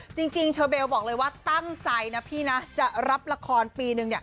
จริงเชอเบลบอกเลยว่าตั้งใจนะพี่นะจะรับละครปีนึงเนี่ย